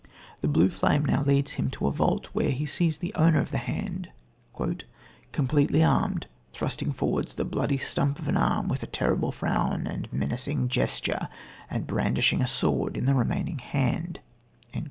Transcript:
The blue flame now leads him to a vault, where he sees the owner of the hand "completely armed, thrusting forwards the bloody stump of an arm, with a terrible frown and menacing gesture and brandishing a sword in the remaining hand."